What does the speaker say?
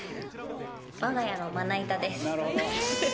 我が家のまな板です。